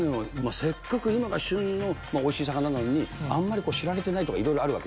せっかく今が旬のおいしい魚なのに、あんまり知られていないとか、いろいろあるわけ。